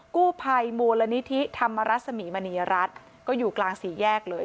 กู้ภัยมูลนิธิธรรมรสมีมณีรัฐก็อยู่กลางสี่แยกเลย